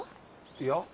いや。